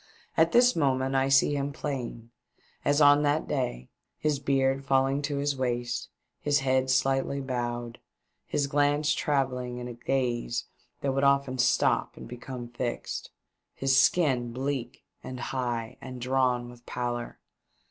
At this moment I see him plain, as on that day ; his beard falling to his waist, his head slightly bowed, and his glance travelling in a gaze that would often stop and become fixed, his skin bleak and high and drawn with pallor.